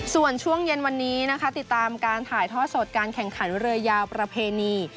ส่วนช่วงเย็นวันนี้นะคะติดตามการถ่ายทอดสดการแข่งขันเรือยาวประเพณี